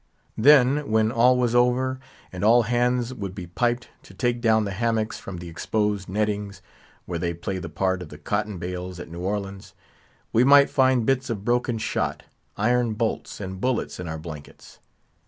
Then, when all was over, and all hands would be piped to take down the hammocks from the exposed nettings (where they play the part of the cotton bales at New Orleans), we might find bits of broken shot, iron bolts and bullets in our blankets.